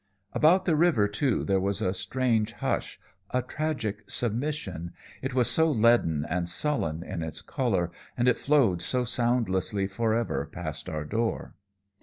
"About the river, too, there was a strange hush, a tragic submission it was so leaden and sullen in its color, and it flowed so soundlessly forever past our door.